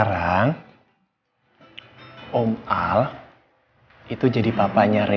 tapi gue harus hadapi semua ini